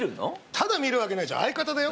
ただ見るわけないじゃん相方だよ